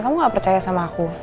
kamu gak percaya sama aku